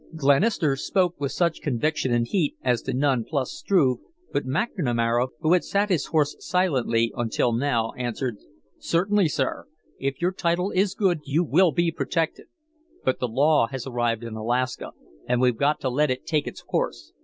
Glenister spoke with such conviction and heat as to nonplus Struve, but McNamara, who had sat his horse silently until now, answered: "Certainly, sir; if your title is good you will be protected, but the law has arrived in Alaska and we've got to let it take its course.